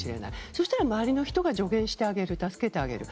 そうしたら、周りの人が助言してあげる、助けてあげる。